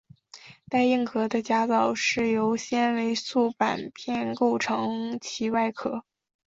带硬壳的甲藻是由纤维素板片构成其外壳。